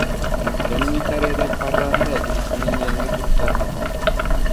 Janubiy Koreyada parranda grippining yangi turi tarqalmoqda